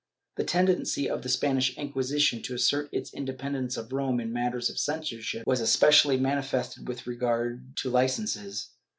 ^ The tendency of the Spanish Inquisition to assert its independ ence of Rome in matters of censorship was especially manifested with regard to licences.